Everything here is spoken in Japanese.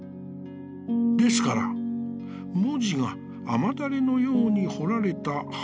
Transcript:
ですから、文字が雨だれのように彫られた板画なんです」。